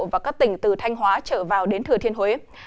và các tỉnh từ thanh hóa trở vào đến thừa thiên huế